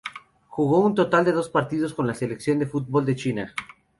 Jugó un total de dos partidos con la selección de fútbol de China.